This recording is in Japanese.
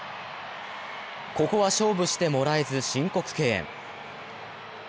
ここは勝負してもらえず、申告敬遠